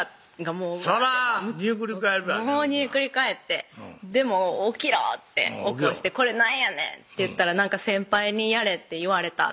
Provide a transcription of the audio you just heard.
もう煮えくり返ってで「起きろ！」って起こして「これ何やねん！」って言ったら「先輩にやれって言われた」